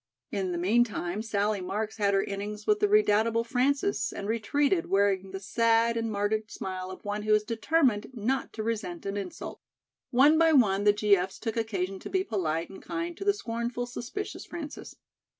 In the meantime, Sallie Marks had her innings with the redoubtable Frances, and retreated, wearing the sad and martyred smile of one who is determined not to resent an insult. One by one the G.F.'s took occasion to be polite and kind to the scornful, suspicious Frances.